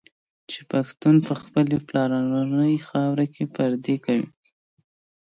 چي پښتون په خپلي پلرنۍ خاوره کي پردی کوي